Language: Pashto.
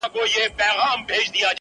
و سر لره مي دار او غرغرې لرې که نه,